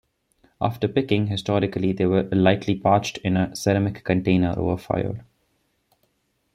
After picking, historically they were lightly parched in a ceramic container over fire.